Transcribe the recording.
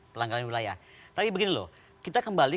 pelanggaran wilayah tapi begini loh kita kembali